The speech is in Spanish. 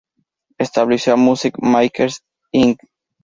Estableció a Music Makers Inc.